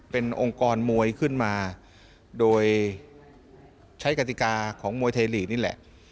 เป็นองค์กรมวยขึ้นมาโดยใช้กติกาของมวยไทยลีกนี่แหละ